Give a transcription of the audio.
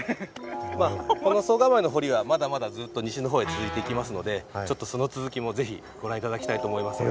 この総構の堀はまだまだずっと西の方へ続いていきますのでその続きも是非ご覧頂きたいと思いますが。